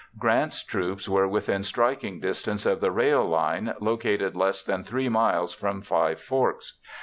Grant's troops were within striking distance of the rail line, located less than 3 miles from Five Forks.